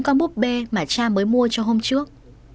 các búp bê mà cha mới mua cho hôm trước